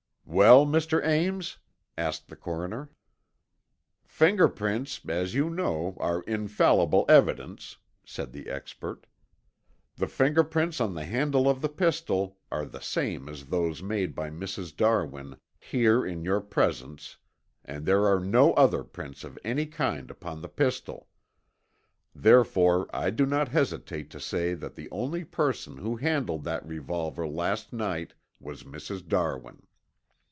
"Well, Mr. Ames?" asked the coroner. "Finger prints, as you know, are infallible evidence," said the expert. "The finger prints on the handle of the pistol are the same as those made by Mrs. Darwin here in your presence and there are no other prints of any kind upon the pistol. Therefore I do not hesitate to say that the only person who handled that revolver last night was Mrs. Darwin."